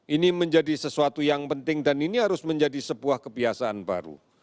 ini menjadi sesuatu yang penting dan ini harus menjadi sebuah kebiasaan baru